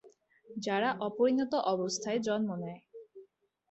যারা অপরিণত অবস্থায় জন্ম নেয়।